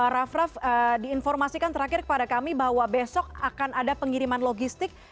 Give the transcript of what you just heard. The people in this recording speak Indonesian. raff raff diinformasikan terakhir kepada kami bahwa besok akan ada pengiriman logistik